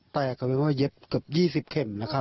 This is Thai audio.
แตกลับไปเย็บเกือบ๒๐เค็มนะครับ